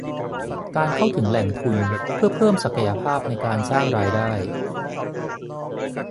การเข้าถึงแหล่งทุนเพื่อเพิ่มศักยภาพในการสร้างรายได้